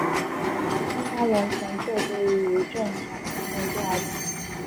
张达伦曾就读余振强纪念第二中学。